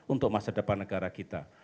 untuk masa depan negara kita